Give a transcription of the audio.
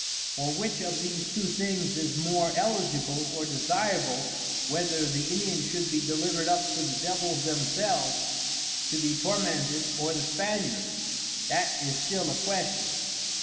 For which of these two things is more eligible or desirable whether the Indians should be delivered up to the Devils themselves to be tormented or the Spaniards? That is still a question.